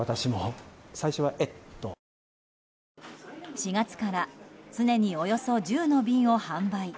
４月から常におよそ１０の瓶を販売。